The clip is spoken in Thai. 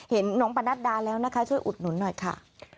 เห็นน้องปะนัดดาแล้วนะคะช่วยอุดหนุนหน่อยค่ะ